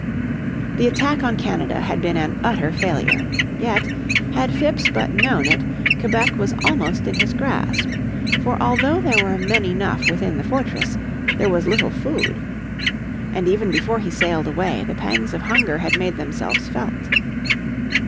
The attack on Canada had been an utter failure. Yet, had Phips but known it, Quebec was almost in his grasp. For although there were men enough within the fortress there was little food. And even before he sailed away the pangs of hunger had made themselves felt.